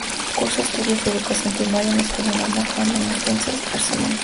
Cursó estudios de educación primaria en la Escuela Normal Juan Demóstenes Arosemena.